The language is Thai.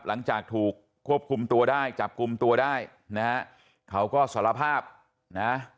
หลังจากถูกควบคุมตัวได้จับกลุ่มตัวได้นะฮะเขาก็สารภาพนะ